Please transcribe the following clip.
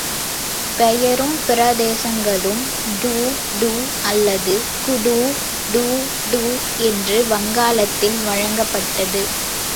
பெயரும் பிரதேசங்களும் டூ டூ அல்லது குடூ – டூ – டூ என்று வங்காளத்தில் வழங்கப்பட்டது.